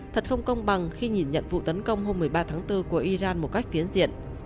thật không công bằng khi nhìn nhận vụ tấn công hôm một mươi ba tháng bốn của iran một cách phiến diện